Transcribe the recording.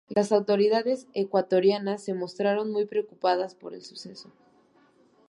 Las autoridades ecuatorianas se mostraron muy preocupadas por el suceso.